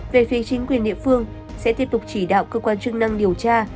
về phía chính quyền địa phương sẽ tiếp tục chỉ đạo cơ quan chức năng điều tra